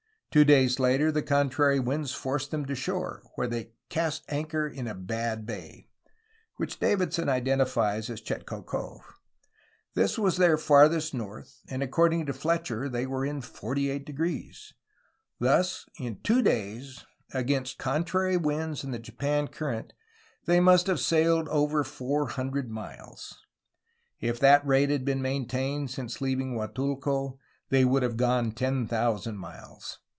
Two days later the contrary winds forced them to shore, where they ^^cast anchor in a bad bay," which Davidson identifies as Chetko Cove. This was their farthest north, and according to Fletcher they were in 48°. Thus in two days, against contrary winds and the Japan Current, they must have sailed over four hundred miles! If that rate had been maintained since leaving Guatulco they would have gone 10,000 miles!